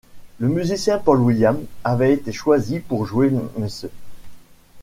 Le musicien Paul Williams avait été choisi pour jouer Mr.